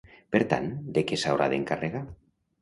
Per tant, de què s'haurà d'encarregar?